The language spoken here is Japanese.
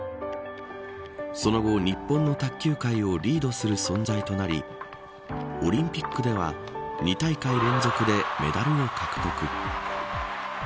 その後、日本の卓球界をリードする存在となりオリンピックでは２大会連続でメダルを獲得。